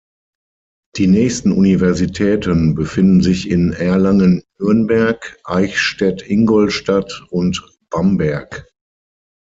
Die nächsten Universitäten befinden sich in Erlangen-Nürnberg, Eichstätt-Ingolstadt und Bamberg.